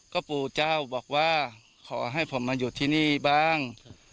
ก็ปู่เจ้าบอกว่าขอให้ผมมาอยู่ที่นี่บ้าง